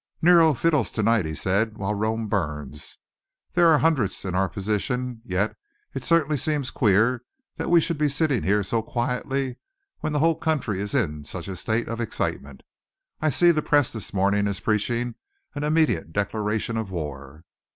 "Nero fiddles to night," he said, "while Rome burns. There are hundreds in our position, yet it certainly seems queer that we should be sitting here so quietly when the whole country is in such a state of excitement. I see the press this morning is preaching an immediate declaration of war."